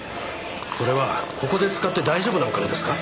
それはここで使って大丈夫なお金ですか？